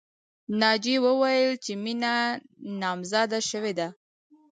ناجیې وویل چې مینه نامزاده شوې ده